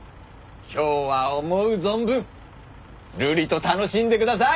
今日は思う存分ルリと楽しんでください！